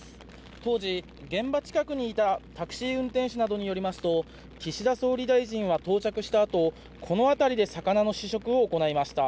当時、現場近くにいたタクシー運転手などによりますと岸田総理大臣は到着したあとこの辺りで魚の試食を行いました。